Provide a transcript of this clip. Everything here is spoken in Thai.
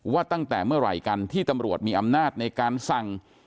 ว่าตั้งแต่เมื่อไหร่กันที่ตำรวจมีอำนาจในการสั่ง